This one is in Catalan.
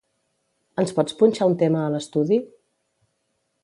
Ens pots punxar un tema a l'estudi?